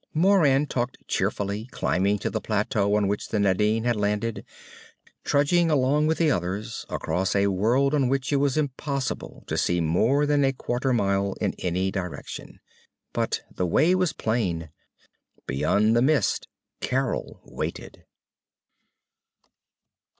Moran talked cheerfully, climbing to the plateau on which the Nadine had landed, trudging with the others across a world on which it was impossible to see more than a quarter mile in any direction. But the way was plain. Beyond the mist Carol waited.